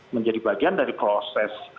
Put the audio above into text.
menjadi bagian dari proses